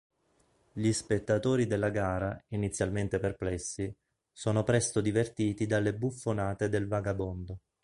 Gli spettatori della gara, inizialmente perplessi, sono presto divertiti dalle buffonate del vagabondo.